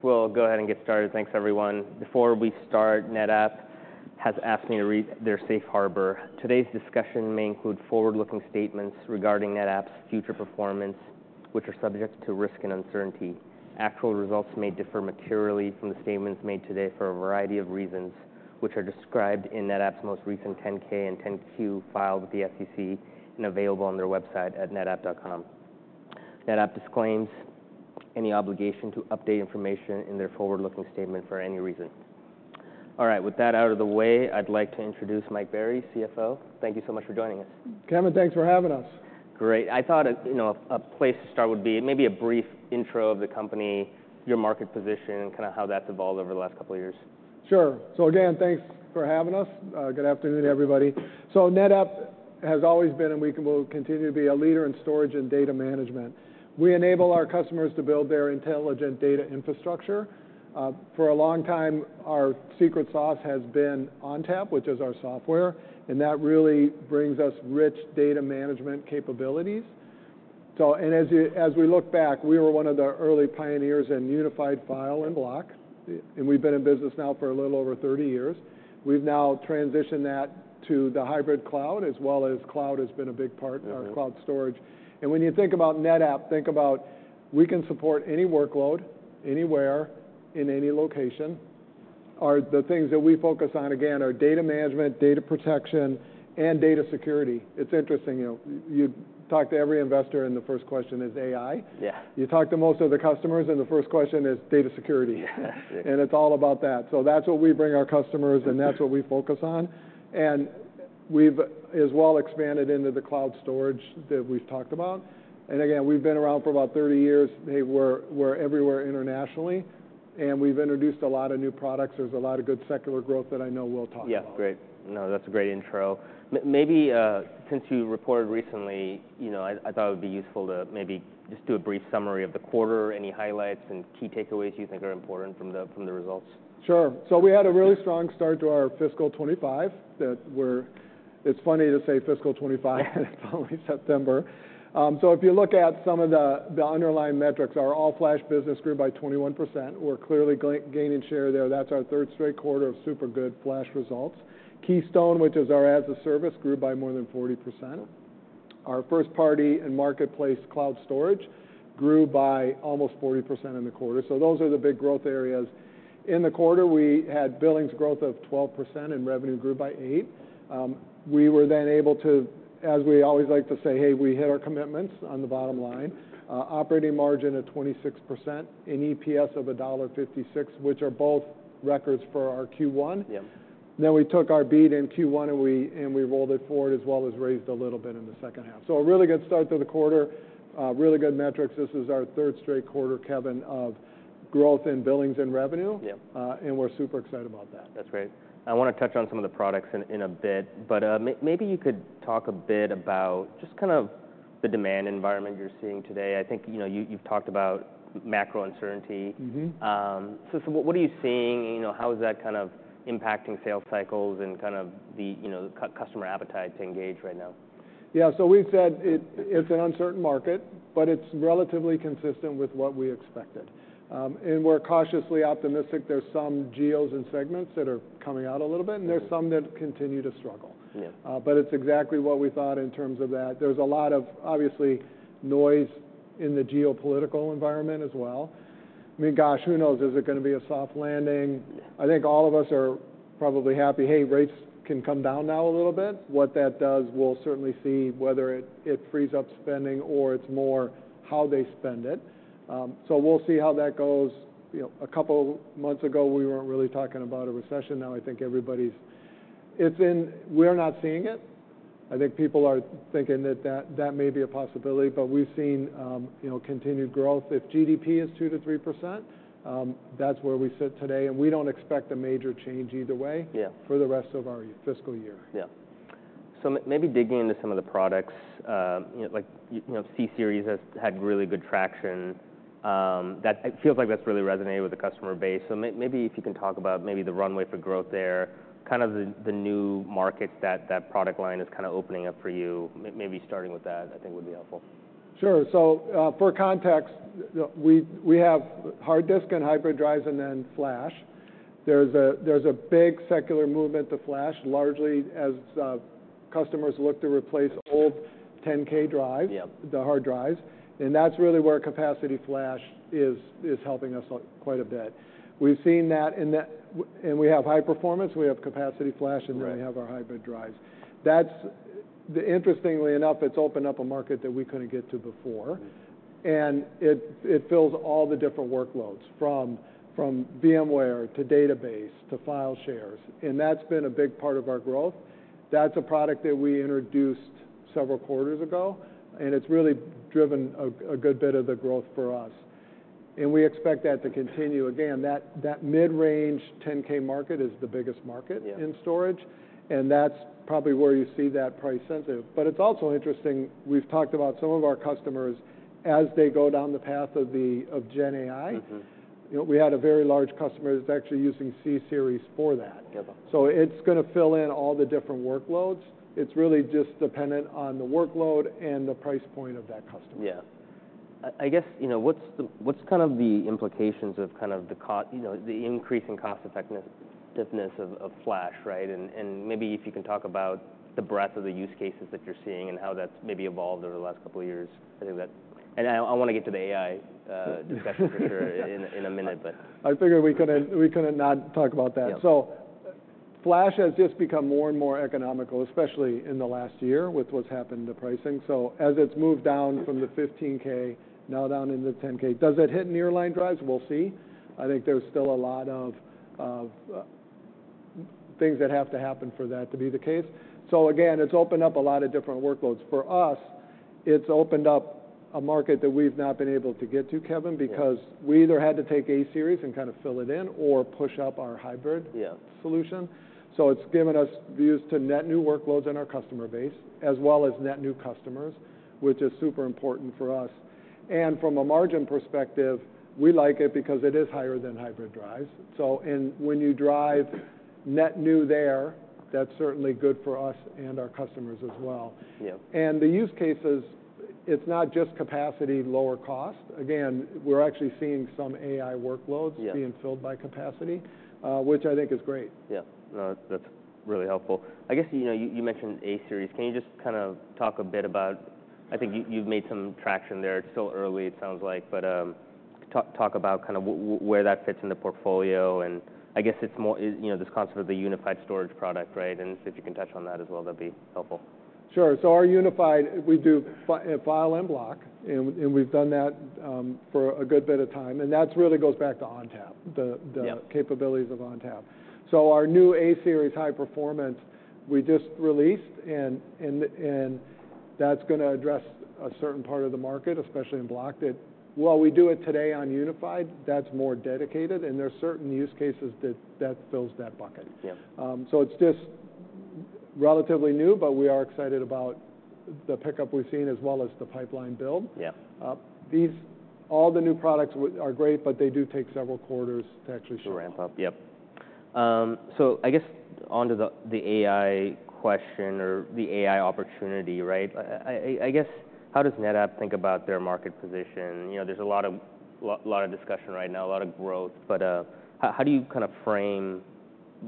We'll go ahead and get started. Thanks, everyone. Before we start, NetApp has asked me to read their Safe Harbor. Today's discussion may include forward-looking statements regarding NetApp's future performance, which are subject to risk and uncertainty. Actual results may differ materially from the statements made today for a variety of reasons, which are described in NetApp's most recent 10-K and 10-Q filed with the SEC and available on their website at netapp.com. NetApp disclaims any obligation to update information in their forward-looking statement for any reason. All right, with that out of the way, I'd like to introduce Mike Berry, CFO. Thank you so much for joining us. Kevin, thanks for having us. Great. I thought, you know, a place to start would be maybe a brief intro of the company, your market position, and kind of how that's evolved over the last couple of years. Sure. So again, thanks for having us. Good afternoon, everybody. So NetApp has always been, and we will continue to be, a leader in storage and data management. We enable our customers to build their intelligent data infrastructure. For a long time, our secret sauce has been ONTAP, which is our software, and that really brings us rich data management capabilities. So and as we look back, we were one of the early pioneers in unified file and block, and we've been in business now for a little over thirty years. We've now transitioned that to the hybrid cloud, as well as cloud has been a big part- Mm-hmm Our cloud storage. And when you think about NetApp, think about we can support any workload, anywhere, in any location. Our, the things that we focus on, again, are data management, data protection, and data security. It's interesting, you know, you talk to every investor, and the first question is AI. Yeah. You talk to most of the customers, and the first question is data security. Yeah. It's all about that. So that's what we bring our customers, and that's what we focus on. We've, as well, expanded into the cloud storage that we've talked about. Again, we've been around for about 30 years. Hey, we're everywhere internationally, and we've introduced a lot of new products. There's a lot of good secular growth that I know we'll talk about. Yeah, great. No, that's a great intro. Maybe, since you reported recently, you know, I thought it would be useful to maybe just do a brief summary of the quarter, any highlights and key takeaways you think are important from the results. Sure. So we had a really strong start to our fiscal 2025, that we're. It's funny to say fiscal 2025, and it's only September. So if you look at some of the underlying metrics, our all-flash business grew by 21%. We're clearly gaining share there. That's our third straight quarter of super good flash results. Keystone, which is our as-a-service, grew by more than 40%. Our first-party and marketplace cloud storage grew by almost 40% in the quarter. So those are the big growth areas. In the quarter, we had billings growth of 12%, and revenue grew by 8%. We were then able to, as we always like to say, "Hey, we hit our commitments on the bottom line." Operating margin of 26%, an EPS of $1.56, which are both records for our Q1. Yeah. Then we took our beat in Q1, and we rolled it forward, as well as raised a little bit in the second half. So a really good start to the quarter, really good metrics. This is our third straight quarter, Kevin, of growth in billings and revenue. Yeah. And we're super excited about that. That's great. I want to touch on some of the products in a bit, but maybe you could talk a bit about just kind of the demand environment you're seeing today. I think, you know, you, you've talked about macro uncertainty. Mm-hmm. What are you seeing? You know, how is that kind of impacting sales cycles and kind of the, you know, customer appetite to engage right now? Yeah, so we've said it, it's an uncertain market, but it's relatively consistent with what we expected. And we're cautiously optimistic. There's some geos and segments that are coming out a little bit, and there's- Mm-hmm Some that continue to struggle. Yeah. But it's exactly what we thought in terms of that. There's a lot of, obviously, noise in the geopolitical environment as well. I mean, gosh, who knows? Is it going to be a soft landing? I think all of us are probably happy. Hey, rates can come down now a little bit. What that does, we'll certainly see whether it frees up spending or it's more how they spend it, so we'll see how that goes. You know, a couple months ago, we weren't really talking about a recession. Now I think everybody's. We're not seeing it. I think people are thinking that may be a possibility, but we've seen, you know, continued growth. If GDP is 2%-3%, that's where we sit today, and we don't expect a major change either way. Yeah For the rest of our fiscal year. Yeah. So maybe digging into some of the products, you know, like, you know, C-Series has had really good traction. It feels like that's really resonated with the customer base. So maybe if you can talk about maybe the runway for growth there, kind of the, the new markets that that product line is kind of opening up for you. Maybe starting with that, I think, would be helpful. Sure. So, for context, we have hard disk and hybrid drives and then flash. There's a big secular movement to flash, largely as customers look to replace old 10K drives. Yeah The hard drives, and that's really where capacity flash is helping us quite a bit. We've seen that, and we have high performance, we have capacity flash- Right And then we have our hybrid drives. That's, interestingly enough, it's opened up a market that we couldn't get to before. Mm-hmm. It fills all the different workloads, from VMware to database to file shares, and that's been a big part of our growth. That's a product that we introduced several quarters ago, and it's really driven a good bit of the growth for us. We expect that to continue. Again, that mid-range 10K market is the biggest market- Yeah In storage, and that's probably where you see that price sensitive. But it's also interesting, we've talked about some of our customers as they go down the path of GenAI. Mm-hmm. You know, we had a very large customer that's actually using C-Series for that. Okay. So it's going to fill in all the different workloads. It's really just dependent on the workload and the price point of that customer. I guess, you know, what's kind of the implications of kind of the cost, you know, the increase in cost effectiveness of flash, right? And maybe if you can talk about the breadth of the use cases that you're seeing, and how that's maybe evolved over the last couple of years. I think that. And I wanna get to the AI discussion for sure in a minute, but- I figured we couldn't not talk about that. Yeah. So flash has just become more and more economical, especially in the last year with what's happened to pricing. So as it's moved down from the 15K, now down into the 10K, does it hit nearline drives? We'll see. I think there's still a lot of things that have to happen for that to be the case. So again, it's opened up a lot of different workloads. For us, it's opened up a market that we've not been able to get to, Kevin- Yeah Because we either had to take A-Series and kind of fill it in or push up our hybrid- Yeah Solution. So it's given us views to net new workloads in our customer base, as well as net new customers, which is super important for us. And from a margin perspective, we like it because it is higher than hybrid drives. So and when you drive net new there, that's certainly good for us and our customers as well. Yeah. And the use cases, it's not just capacity, lower cost. Again, we're actually seeing some AI workloads- Yeah... being filled by capacity, which I think is great. Yeah. No, that's really helpful. I guess, you know, you mentioned A-Series. Can you just kind of talk a bit about... I think you've made some traction there. It's still early, it sounds like, but talk about kind of where that fits in the portfolio, and I guess it's more, you know, this concept of the unified storage product, right? And if you can touch on that as well, that'd be helpful. Sure. So our unified, we do file and block, and we've done that for a good bit of time, and that's really goes back to ONTAP, the- Yeah The capabilities of ONTAP, so our new A-Series high performance, we just released, and that's gonna address a certain part of the market, especially in block, that while we do it today on unified, that's more dedicated, and there are certain use cases that fills that bucket. Yeah. So it's just relatively new, but we are excited about the pickup we've seen, as well as the pipeline build. Yeah. These, all the new products, are great, but they do take several quarters to actually show. To ramp up, yep. So I guess onto the AI question or the AI opportunity, right? I guess, how does NetApp think about their market position? You know, there's a lot of discussion right now, a lot of growth, but how do you kind of frame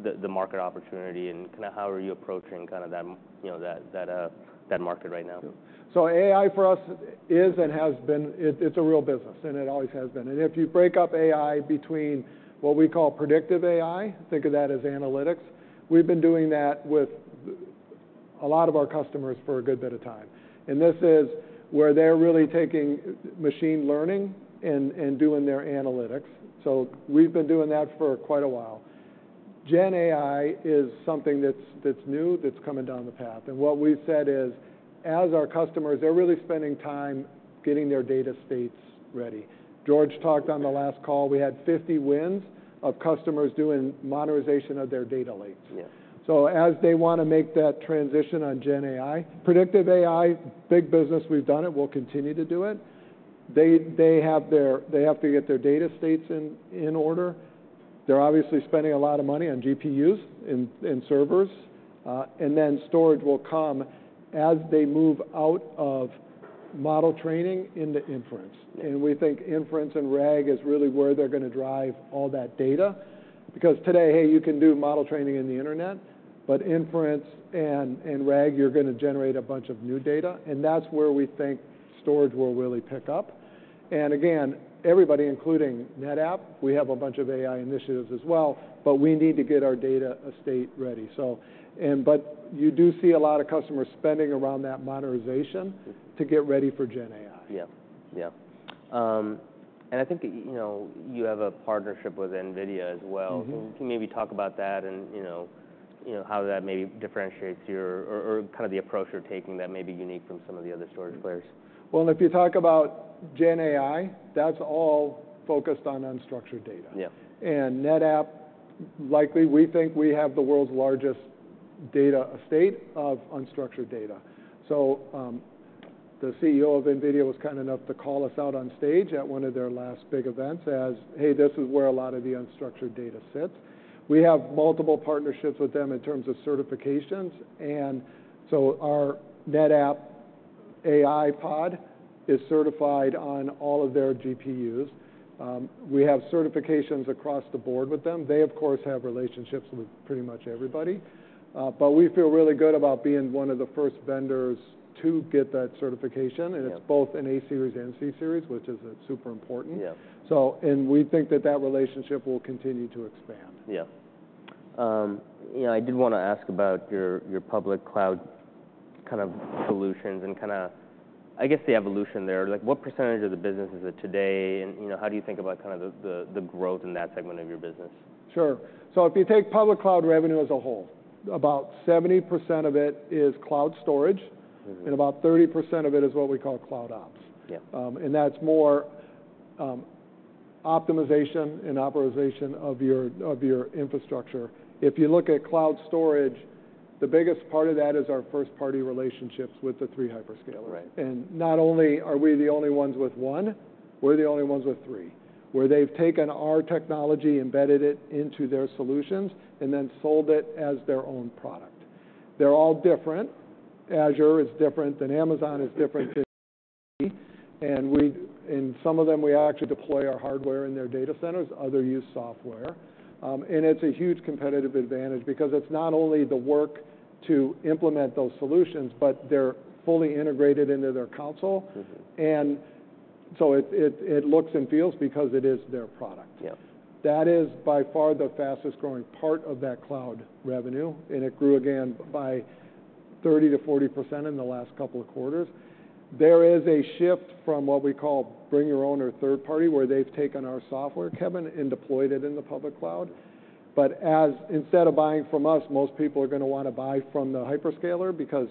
the market opportunity, and kind of how are you approaching kind of that, you know, that market right now? So, AI for us is and has been. It's a real business, and it always has been. And if you break up AI between what we call predictive AI, think of that as analytics, we've been doing that with a lot of our customers for a good bit of time. And this is where they're really taking machine learning and doing their analytics, so we've been doing that for quite a while. GenAI is something that's new, that's coming down the path, and what we've said is, as our customers, they're really spending time getting their data estates ready. George talked on the last call, we had fifty wins of customers doing modernization of their data lakes. Yeah. So as they want to make that transition on GenAI, predictive AI, big business, we've done it, we'll continue to do it. They have to get their data estates in order. They're obviously spending a lot of money on GPUs and servers. And then storage will come as they move out of model training into inference. Yeah. We think inference and RAG is really where they're gonna drive all that data. Because today, hey, you can do model training in the internet, but inference and RAG, you're gonna generate a bunch of new data, and that's where we think storage will really pick up. And again, everybody, including NetApp, we have a bunch of AI initiatives as well, but we need to get our data estate ready. So... And you do see a lot of customer spending around that modernization- Yeah To get ready for GenAI. Yeah. Yeah. And I think, you know, you have a partnership with NVIDIA as well. Mm-hmm. Can you maybe talk about that and, you know, how that maybe differentiates your or kind of the approach you're taking that may be unique from some of the other storage players? If you talk about GenAI, that's all focused on unstructured data. Yeah. NetApp, likely, we think we have the world's largest data estate of unstructured data. So, the CEO of NVIDIA was kind enough to call us out on stage at one of their last big events as, "Hey, this is where a lot of the unstructured data sits." We have multiple partnerships with them in terms of certifications, and so our NetApp AIPod is certified on all of their GPUs. We have certifications across the board with them. They, of course, have relationships with pretty much everybody. But we feel really good about being one of the first vendors to get that certification. Yeah And it's both in A-Series and C-Series, which is super important. Yeah. We think that that relationship will continue to expand. Yeah. You know, I did want to ask about your public cloud kind of solutions and kind of, I guess, the evolution there. Like, what percentage of the business is it today, and, you know, how do you think about kind of the growth in that segment of your business? Sure. So if you take public cloud revenue as a whole, about 70% of it is cloud storage- Mm-hmm And about 30% of it is what we call CloudOps. Yeah. That's more optimization of your infrastructure. If you look at cloud storage, the biggest part of that is our first-party relationships with the three hyperscalers. Right. And not only are we the only ones with one, we're the only ones with three, where they've taken our technology, embedded it into their solutions, and then sold it as their own product. They're all different. Azure is different than Amazon is different too, and some of them, we actually deploy our hardware in their data centers, others use software. And it's a huge competitive advantage because it's not only the work to implement those solutions, but they're fully integrated into their console. Mm-hmm. And so it looks and feels because it is their product. Yes. That is by far the fastest growing part of that cloud revenue, and it grew again by 30%-40% in the last couple of quarters. There is a shift from what we call bring your own or third party, where they've taken our software, Kevin, and deployed it in the public cloud. But instead of buying from us, most people are going to want to buy from the hyperscaler because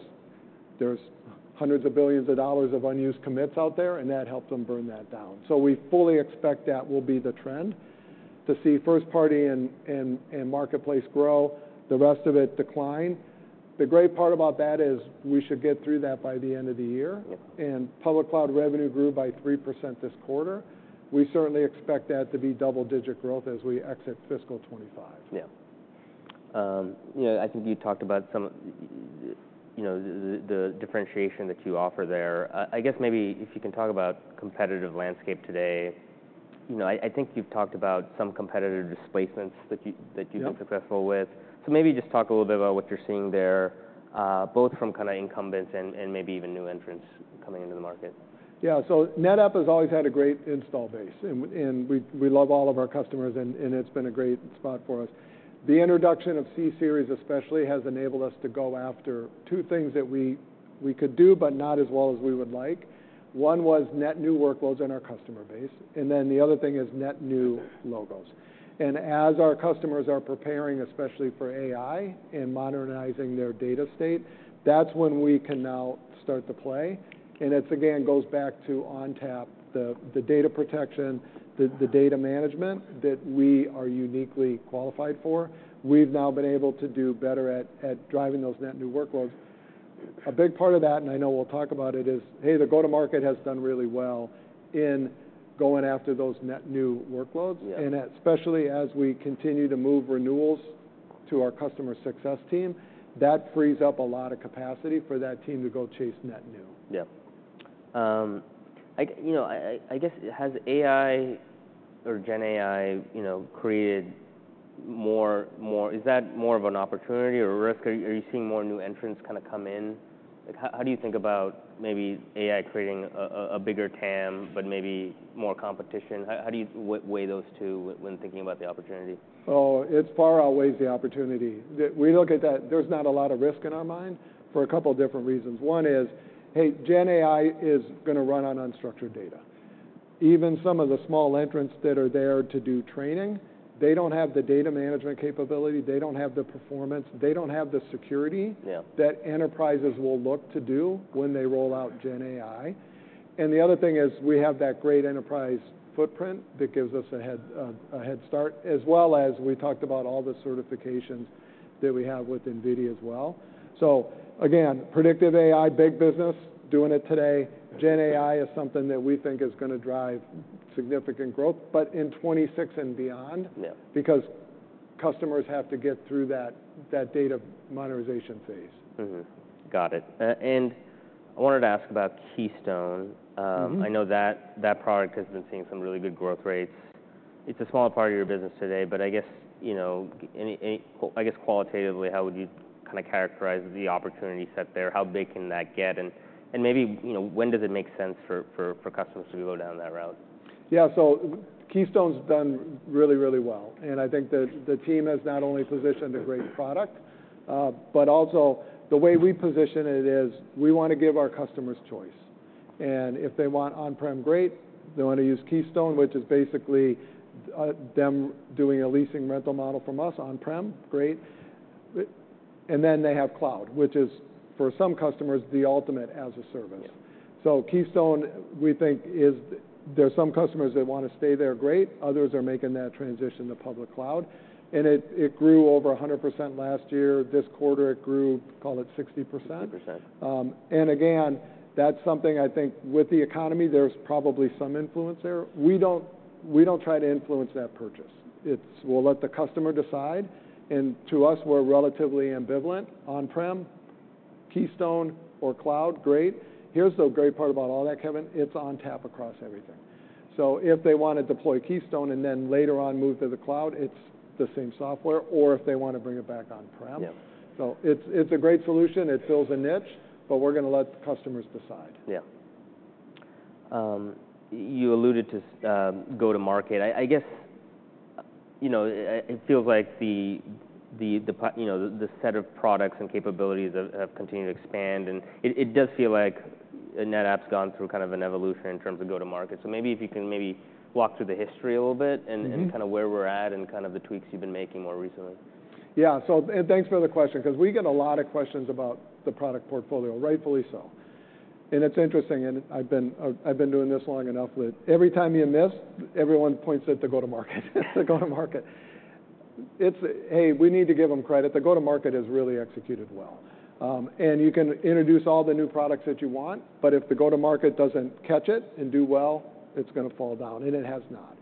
there's hundreds of billions of dollars of unused commits out there, and that helps them burn that down. We fully expect that will be the trend, to see first party and marketplace grow, the rest of it decline. The great part about that is we should get through that by the end of the year. Yep. Public cloud revenue grew by 3% this quarter. We certainly expect that to be double-digit growth as we exit fiscal 2025. Yeah. You know, I think you talked about some of, you know, the differentiation that you offer there. I guess maybe if you can talk about competitive landscape today. You know, I think you've talked about some competitive displacements that you- Yeah That you've been successful with. So maybe just talk a little bit about what you're seeing there, both from kind of incumbents and maybe even new entrants coming into the market. Yeah. So NetApp has always had a great installed base, and we love all of our customers, and it's been a great spot for us. The introduction of C-Series especially has enabled us to go after two things that we could do, but not as well as we would like. One was net new workloads in our customer base, and then the other thing is net new logos. And as our customers are preparing, especially for AI and modernizing their data estate, that's when we can now start to play. And it again goes back to ONTAP, the data protection, the data management that we are uniquely qualified for. We've now been able to do better at driving those net new workloads. A big part of that, and I know we'll talk about it, is, hey, the go-to-market has done really well in going after those net new workloads. Yeah. Especially as we continue to move renewals to our customer success team, that frees up a lot of capacity for that team to go chase net new. Yeah. I, you know, guess, has AI or GenAI, you know, created more... Is that more of an opportunity or risk? Are you seeing more new entrants kind of come in? Like, how do you think about maybe AI creating a bigger TAM, but maybe more competition? How do you weigh those two when thinking about the opportunity? Oh, it far outweighs the opportunity. We look at that, there's not a lot of risk in our mind for a couple different reasons. One is, hey, GenAI is going to run on unstructured data. Even some of the small entrants that are there to do training, they don't have the data management capability, they don't have the performance, they don't have the security- Yeah That enterprises will look to do when they roll out GenAI. And the other thing is, we have that great enterprise footprint that gives us a head, a head start, as well as we talked about all the certifications that we have with NVIDIA as well. So again, predictive AI, big business, doing it today. GenAI is something that we think is going to drive significant growth, but in 2026 and beyond- Yeah Because customers have to get through that data modernization phase. Mm-hmm. Got it, and I wanted to ask about Keystone. Mm-hmm. I know that product has been seeing some really good growth rates. It's a small part of your business today, but I guess, you know, any I guess qualitatively, how would you kind of characterize the opportunity set there? How big can that get? And maybe, you know, when does it make sense for customers to go down that route? Yeah. So Keystone's done really, really well, and I think that the team has not only positioned a great product, but also the way we position it is we want to give our customers choice. And if they want on-prem, great. They want to use Keystone, which is basically them doing a leasing rental model from us on-prem, great. And then they have cloud, which is, for some customers, the ultimate as-a-service. Yeah. Keystone, we think, there are some customers that want to stay there, great. Others are making that transition to public cloud. It grew over 100% last year. This quarter, it grew, call it 60%. 60%. And again, that's something I think with the economy, there's probably some influence there. We don't try to influence that purchase. It's. We'll let the customer decide, and to us, we're relatively ambivalent: on-prem, Keystone, or cloud, great. Here's the great part about all that, Kevin: it's ONTAP across everything. So if they want to deploy Keystone and then later on move to the cloud, it's the same software or if they want to bring it back on-prem. Yeah. It's a great solution. It fills a niche, but we're going to let the customers decide. Yeah. You alluded to go-to-market. I guess, you know, it feels like the set of products and capabilities have continued to expand, and it does feel like NetApp's gone through kind of an evolution in terms of go-to-market. So maybe if you can maybe walk through the history a little bit and kind of where we're at and kind of the tweaks you've been making more recently. Yeah, so thanks for the question, 'cause we get a lot of questions about the product portfolio, rightfully so, and it's interesting, and I've been doing this long enough that every time you miss, everyone points at the go-to-market. The go-to-market. Hey, we need to give them credit. The go-to-market has really executed well. And you can introduce all the new products that you want, but if the go-to-market doesn't catch it and do well, it's going to fall down, and it has not,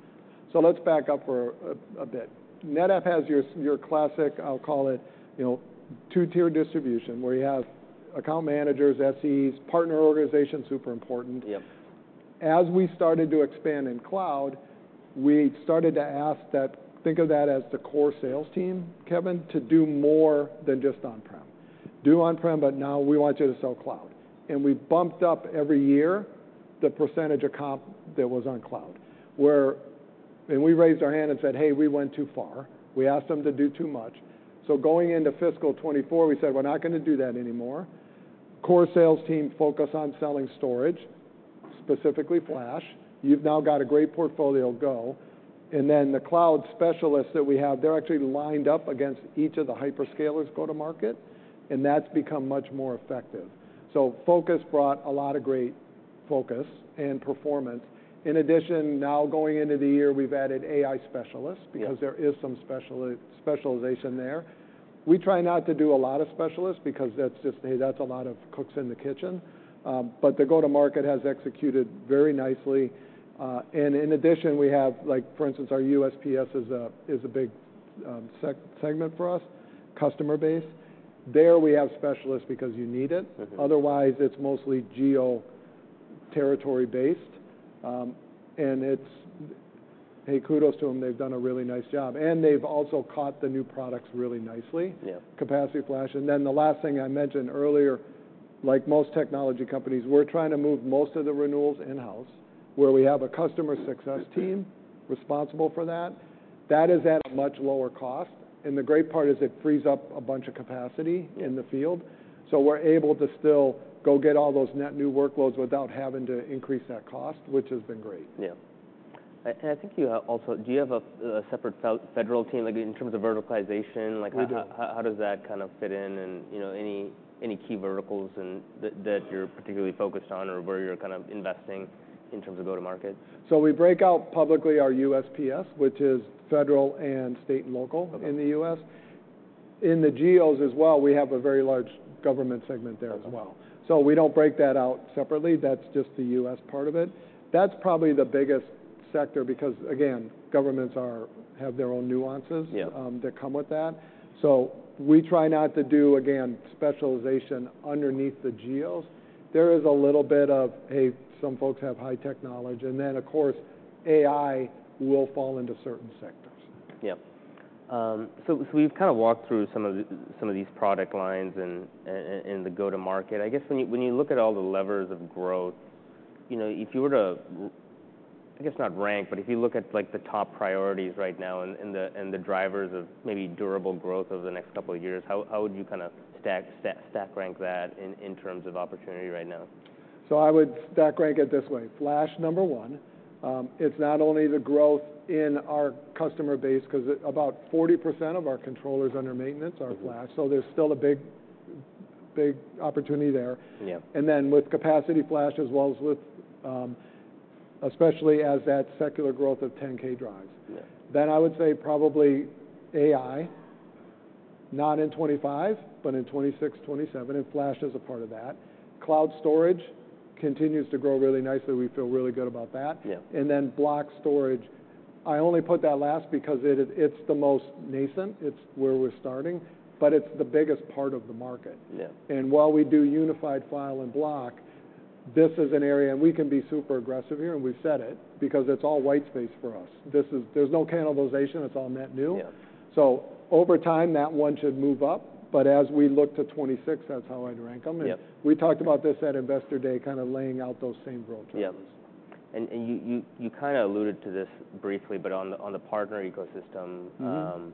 so let's back up for a bit. NetApp has your classic, I'll call it, you know, two-tier distribution, where you have account managers, SEs, partner organization, super important. Yep. As we started to expand in cloud, we started to think of that as the core sales team, Kevin, to do more than just on-prem. Do on-prem, but now we want you to sell cloud. And we bumped up every year the percentage of comp that was on cloud. And we raised our hand and said, "Hey, we went too far." We asked them to do too much. So going into fiscal 2024, we said, "We're not going to do that anymore. Core sales team, focus on selling storage, specifically flash. You've now got a great portfolio. Go." And then the cloud specialists that we have, they're actually lined up against each of the hyperscalers go-to-market, and that's become much more effective. So focus brought a lot of great focus and performance. In addition, now, going into the year, we've added AI specialists- Yeah Because there is some specialization there. We try not to do a lot of specialists because that's just, hey, that's a lot of cooks in the kitchen. But the go-to-market has executed very nicely. And in addition, we have, like, for instance, our USPS is a big segment for us, customer base. There, we have specialists because you need it. Mm-hmm. Otherwise, it's mostly geo territory-based. Hey, kudos to them. They've done a really nice job, and they've also caught the new products really nicely. Yeah. Capacity flash. And then the last thing I mentioned earlier, like most technology companies, we're trying to move most of the renewals in-house, where we have a customer success team responsible for that. That is at a much lower cost, and the great part is it frees up a bunch of capacity in the field. So we're able to still go get all those net new workloads without having to increase that cost, which has been great. Yeah. And I think you also. Do you have a separate federal team, like in terms of verticalization? Like how does that kind of fit in? And, you know, any key verticals and that you're particularly focused on or where you're kind of investing in terms of go-to-market? So we break out publicly our USPS, which is federal and state and local in the U.S. In the geos as well, we have a very large government segment there as well. Okay. So we don't break that out separately. That's just the U.S. part of it. That's probably the biggest sector because, again, governments have their own nuances. Yeah That come with that. So we try not to do, again, specialization underneath the geos. There is a little bit of, hey, some folks have high technology, and then, of course, AI will fall into certain sectors. Yeah. So we've kind of walked through some of these product lines and the go-to-market. I guess when you look at all the levers of growth, you know, if you were to, I guess not rank, but if you look at, like, the top priorities right now and the drivers of maybe durable growth over the next couple of years, how would you kind of stack rank that in terms of opportunity right now? I would stack rank it this way: flash, number one. It's not only the growth in our customer base, 'cause it, about 40% of our controllers under maintenance are flash. Mm-hmm. So there's still a big, big opportunity there. Yeah. And then with capacity flash as well as with, especially as that secular growth of 10K drives. Yeah. Then I would say probably AI, not in 2025, but in 2026, 2027, and flash is a part of that. Cloud storage continues to grow really nicely. We feel really good about that. Yeah. And then block storage. I only put that last because it's the most nascent. It's where we're starting, but it's the biggest part of the market. Yeah. While we do unified file and block, this is an area, and we can be super aggressive here, and we've said it, because it's all white space for us. This is. There's no cannibalization, it's all net new. Yeah. So over time, that one should move up, but as we look to 2026, that's how I'd rank them. Yeah. We talked about this at Investor Day, kind of laying out those same growth opportunities. Yeah. And you kind of alluded to this briefly, but on the partner ecosystem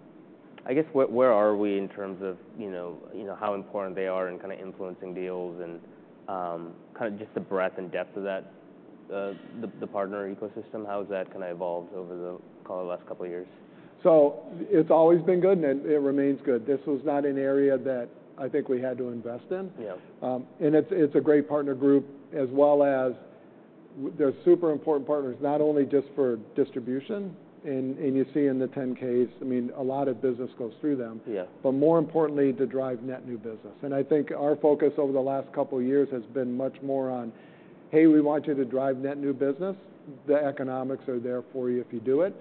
I guess, where are we in terms of, you know, how important they are in kind of influencing deals and, kind of just the breadth and depth of that, the partner ecosystem? How has that kind of evolved over the, call it, last couple of years? So it's always been good, and it, it remains good. This was not an area that I think we had to invest in. Yeah. It's a great partner group, as well as they're super important partners, not only just for distribution, and you see in the 10-Ks. I mean, a lot of business goes through them- Yeah But more importantly, to drive net new business. And I think our focus over the last couple of years has been much more on, "Hey, we want you to drive net new business. The economics are there for you if you do it."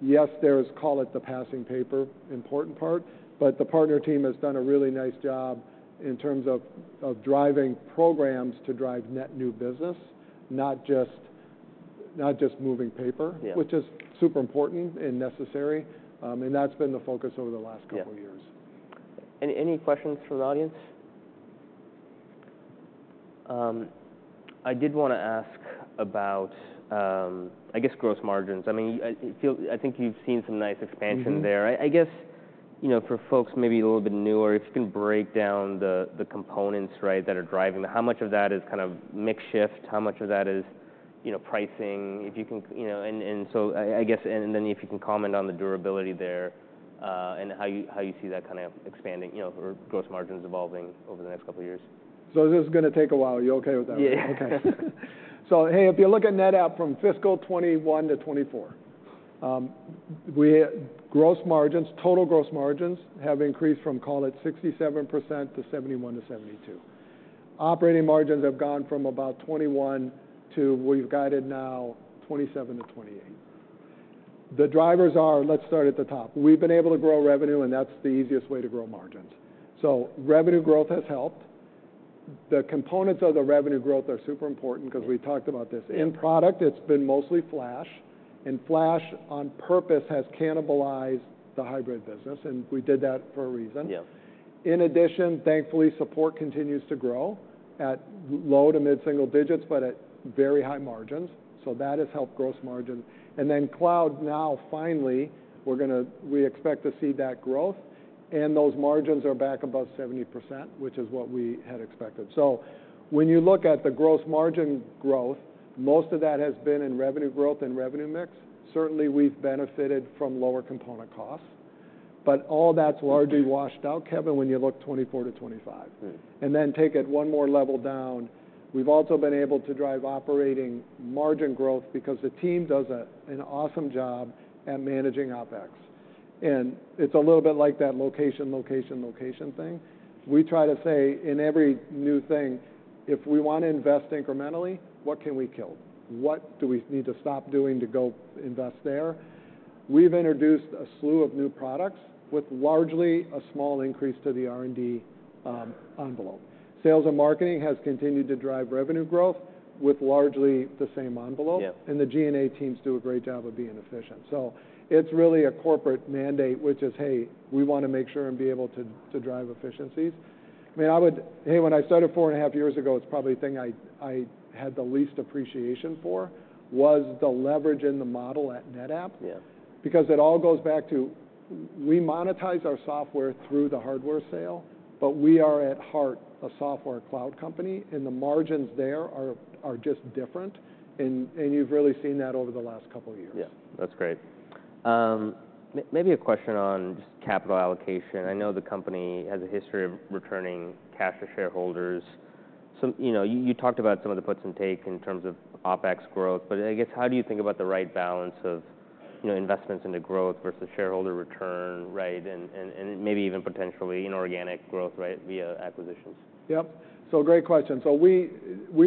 Yes, there is, call it, the passing paper important part, but the partner team has done a really nice job in terms of driving programs to drive net new business, not just, not just moving paper- Yeah Which is super important and necessary, and that's been the focus over the last couple of years. Yeah. Any questions from the audience? I did want to ask about, I guess, gross margins. I mean, I think you've seen some nice expansion there. Mm-hmm. I guess, you know, for folks maybe a little bit newer, if you can break down the components, right, that are driving. How much of that is kind of mix shift? How much of that is, you know, pricing? If you can, you know, and so I guess, and then if you can comment on the durability there, and how you see that kind of expanding, you know, or gross margins evolving over the next couple of years. So this is going to take a while. You okay with that? Yeah. Okay. So, hey, if you look at NetApp from fiscal 2021 to 2024, gross margins, total gross margins have increased from, call it, 67% to 71%-72%. Operating margins have gone from about 21 to, we've guided now, 27%-28%. The drivers are, let's start at the top. We've been able to grow revenue, and that's the easiest way to grow margins. So revenue growth has helped. The components of the revenue growth are super important, 'cause we talked about this. Yeah. In product, it's been mostly flash, and flash, on purpose, has cannibalized the hybrid business, and we did that for a reason. Yes. In addition, thankfully, support continues to grow at low to mid-single digits, but at very high margins, so that has helped gross margin. And then cloud now finally, we expect to see that growth, and those margins are back above 70%, which is what we had expected. So when you look at the gross margin growth, most of that has been in revenue growth and revenue mix. Certainly, we've benefited from lower component costs, but all that's largely washed out, Kevin, when you look 2024 to 2025. Right. And then take it one more level down. We've also been able to drive operating margin growth because the team does an awesome job at managing OpEx. And it's a little bit like that location, location, location thing. We try to say in every new thing, "If we want to invest incrementally, what can we kill? What do we need to stop doing to go invest there?" We've introduced a slew of new products with largely a small increase to the R&D envelope. Sales and marketing has continued to drive revenue growth with largely the same envelope. Yeah. The G&A teams do a great job of being efficient. So it's really a corporate mandate, which is, "Hey, we want to make sure and be able to, to drive efficiencies." I mean, Hey, when I started four and a half years ago, it's probably the thing I had the least appreciation for was the leverage in the model at NetApp. Yes. Because it all goes back to we monetize our software through the hardware sale, but we are, at heart, a software cloud company, and the margins there are just different. And you've really seen that over the last couple of years. Yeah. That's great. Maybe a question on just capital allocation. I know the company has a history of returning cash to shareholders. So, you know, you talked about some of the puts and takes in terms of OpEx growth, but I guess, how do you think about the right balance of, you know, investments into growth versus shareholder return, right, and maybe even potentially inorganic growth, right, via acquisitions? Yep. So great question. So we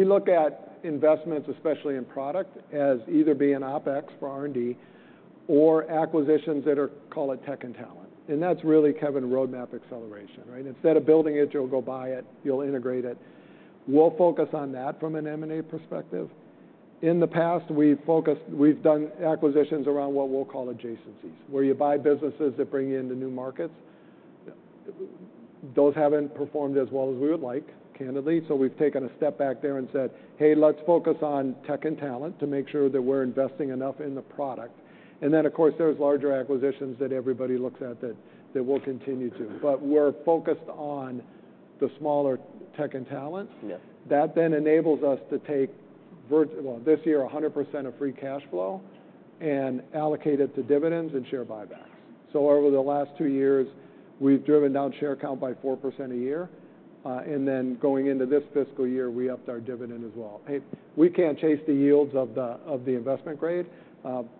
look at investments, especially in product, as either being OpEx for R&D or acquisitions that are, call it tech and talent, and that's really, Kevin, roadmap acceleration, right? Instead of building it, you'll go buy it, you'll integrate it. We'll focus on that from an M&A perspective. In the past, we've done acquisitions around what we'll call adjacencies, where you buy businesses that bring you into new markets. Those haven't performed as well as we would like, candidly, so we've taken a step back there and said, "Hey, let's focus on tech and talent to make sure that we're investing enough in the product." And then, of course, there's larger acquisitions that everybody looks at, that we'll continue to, but we're focused on the smaller tech and talent. Yes. That then enables us to take this year, 100% of free cash flow and allocate it to dividends and share buybacks, so over the last two years, we've driven down share count by 4% a year. And then going into this fiscal year, we upped our dividend as well. Hey, we can't chase the yields of the investment grade,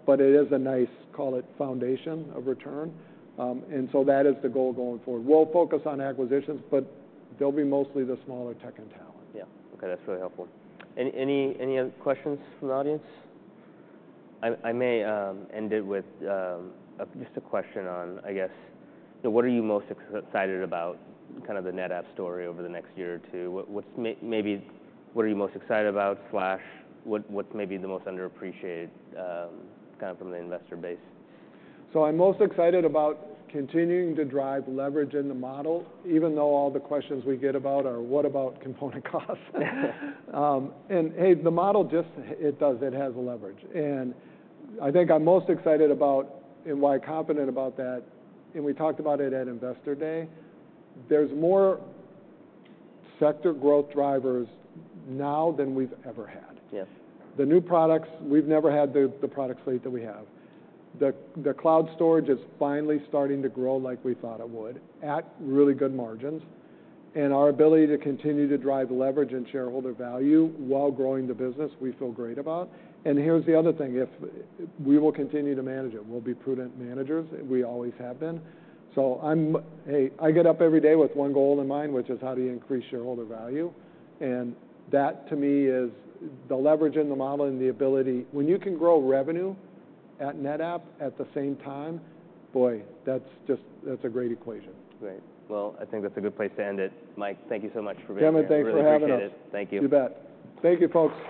but it is a nice, call it, foundation of return. And so that is the goal going forward. We'll focus on acquisitions, but they'll be mostly the smaller tech and talent. Yeah. Okay, that's really helpful. Any other questions from the audience? I may end it with just a question on, I guess, what are you most excited about, kind of the NetApp story over the next year or two? What's maybe what are you most excited about, slash what's maybe the most underappreciated, kind of from the investor base? So, I'm most excited about continuing to drive leverage in the model, even though all the questions we get about are, "What about component costs?" and, hey, the model just. It does, it has a leverage. And I think I'm most excited about and why confident about that, and we talked about it at Investor Day, there's more sector growth drivers now than we've ever had. Yes. The new products, we've never had the product slate that we have. The cloud storage is finally starting to grow like we thought it would, at really good margins, and our ability to continue to drive leverage and shareholder value while growing the business, we feel great about, and here's the other thing: if we will continue to manage it, we'll be prudent managers, and we always have been. So, hey, I get up every day with one goal in mind, which is how do you increase shareholder value, and that, to me, is the leverage in the model and the ability. When you can grow revenue at NetApp at the same time, boy, that's just, that's a great equation. Great. Well, I think that's a good place to end it. Mike, thank you so much for being here. Kevin, thanks for having us. We really appreciate it. Thank you. You bet. Thank you, folks.